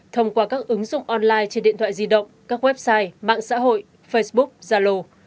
thông qua các ứng dụng online trên điện thoại di động các website mạng xã hội facebook zalo